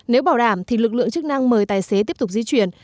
nếu bảo đảm thì lực lượng chức năng mời tài xế tiếp tục di chuyển